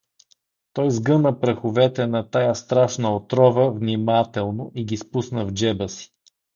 Той сгъна праховете на тая страшна отрова внимателно и ги спусна в джеба си.